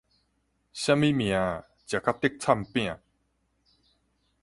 啥物命，食甲竹塹餅